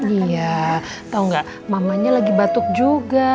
iya tau gak mamanya lagi batuk juga